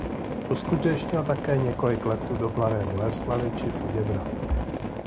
Uskutečnil také několik letů do Mladé Boleslavi či Poděbrad.